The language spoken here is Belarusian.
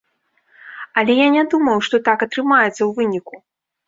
Але я не думаў, што так атрымаецца ў выніку.